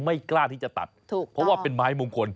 ไม่กล้าที่จะตัดถูกเพราะว่าเป็นไม้มงคล